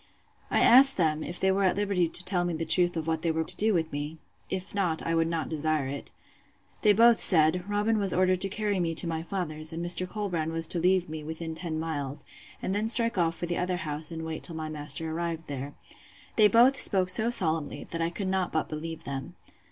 I asked them, if they were at liberty to tell me the truth of what they were to do with me? If not, I would not desire it.—They both said, Robin was ordered to carry me to my father's; and Mr. Colbrand was to leave me within ten miles, and then strike off for the other house, and wait till my master arrived there. They both spoke so solemnly, that I could not but believe them.